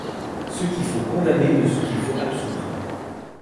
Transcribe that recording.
Ce qu’il faut condamner de ce qu’il faut absoudre